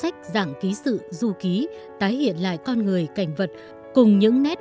một chiến dịch ở bắc kỳ là cuốn sách dạng ký sự du ký tái hiện lại con người cảnh vật cùng những nét